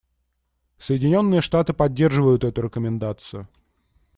Соединенные Штаты поддерживают эту рекомендацию.